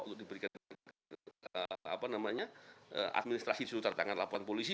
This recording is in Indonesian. untuk diberikan apa namanya administrasi disuruh tertanggah laporan polisi